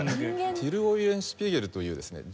ティル・オイレンシュピーゲルというですね